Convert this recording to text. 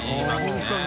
本当に。